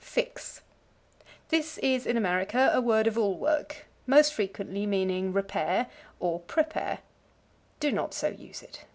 Fix. This is, in America, a word of all work, most frequently meaning repair, or prepare. Do not so use it.